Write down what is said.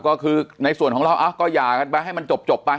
ก็คือในส่วนของเราก็หย่ากันไปให้มันจบไป